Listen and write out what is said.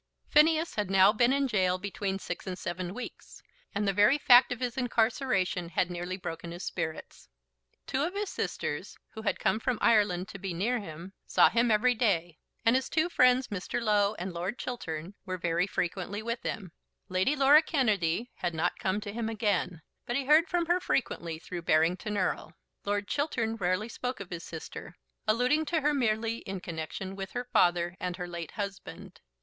Phineas had now been in gaol between six and seven weeks, and the very fact of his incarceration had nearly broken his spirits. Two of his sisters, who had come from Ireland to be near him, saw him every day, and his two friends, Mr. Low and Lord Chiltern, were very frequently with him; Lady Laura Kennedy had not come to him again; but he heard from her frequently through Barrington Erle. Lord Chiltern rarely spoke of his sister, alluding to her merely in connection with her father and her late husband.